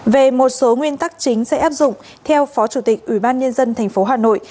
về một số nguyên tắc chính sẽ áp dụng theo phó chủ tịch ubnd tp hà nội